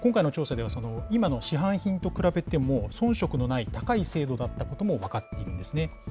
今回の調査では、今の市販品と比べても、遜色のない高い精度だったことも分かっているんですね。